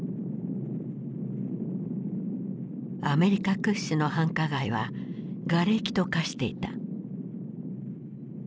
アメリカ屈指の繁華街はがれきと化していた。